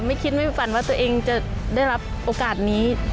ไม่คิดไม่ฝันว่าตัวเองจะได้รับโอกาสนี้